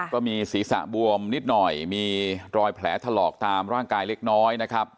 ก็มีศีรษะบวมนิดหน่อยมีรอยแผลถลอกตามร่างกายเล็กน้อยนะครับ